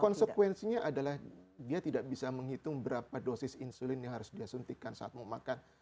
konsekuensinya adalah dia tidak bisa menghitung berapa dosis insulin yang harus dia suntikan saat mau makan